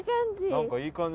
何かいい感じ。